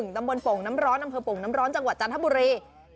ตำบลโป่งน้ำร้อนอำเภอโป่งน้ำร้อนจังหวัดจันทบุรี